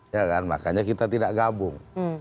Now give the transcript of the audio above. ya kan makanya kita tidak gabung